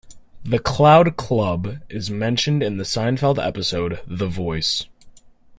The Cloud Club is mentioned in the Seinfeld episode The Voice.